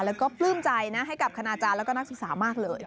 แล้วก็ปลื้มใจนะให้กับคณาจารย์แล้วก็นักศึกษามากเลย